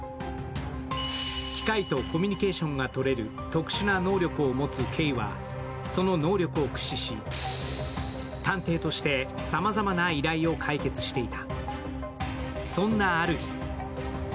機械とコミュニケーションがとれる特殊な能力を持つ慧はその能力を駆使し探偵としてさまざまな依頼を解決していた。